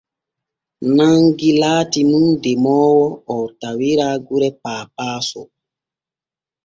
Nangi laati nun demoowo o tawira gure Paapaaso.